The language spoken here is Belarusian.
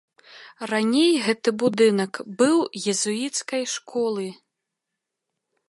Раней гэты будынак быў езуіцкай школы.